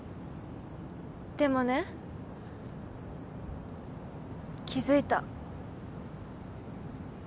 でもね気付いた。